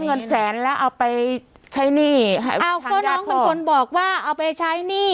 เงินแสนแล้วเอาไปใช้หนี้ให้เอาก็น้องเป็นคนบอกว่าเอาไปใช้หนี้